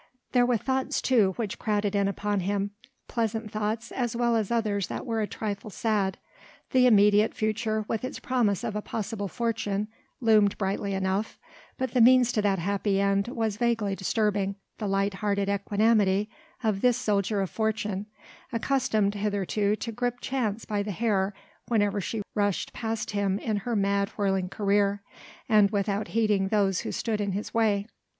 There were thoughts too which crowded in upon him pleasant thoughts as well as others that were a trifle sad the immediate future with its promise of a possible fortune loomed brightly enough, but the means to that happy end was vaguely disturbing the light hearted equanimity of this soldier of fortune accustomed hitherto to grip Chance by the hair whenever she rushed past him in her mad, whirling career, and without heeding those who stood in his way.